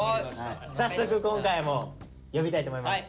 早速今回も呼びたいと思います。